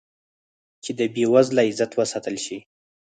چې د بې وزله عزت وساتل شي.